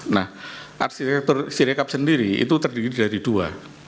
nah arsitektur sirekap sendiri itu terdiri dari dua